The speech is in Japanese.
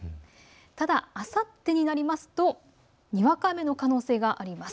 ただ、あさってになりますとにわか雨の可能性があります。